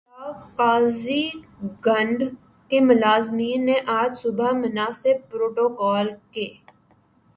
medical block Qazigund کے ملازمین نے آج صبح مناسب پروٹوکول ک